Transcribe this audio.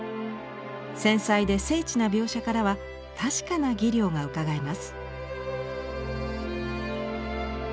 繊細で精緻な描写からは確かな技量がうかがえます。